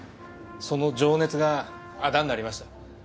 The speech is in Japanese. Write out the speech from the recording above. その情熱があだになりました。